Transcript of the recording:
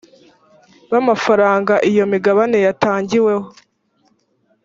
b amafaranga iyo migabane yatangiweho